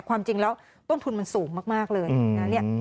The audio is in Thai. ความจริงแล้วต้นทุนมันสูงมากเลยนะ